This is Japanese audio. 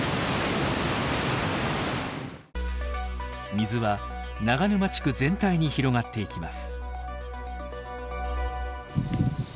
水は長沼地区全体に広がっていきます。